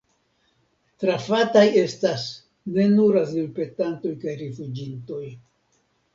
Trafataj estas ne nur azilpetantoj kaj rifuĝintoj.